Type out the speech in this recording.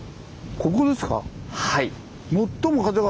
はい。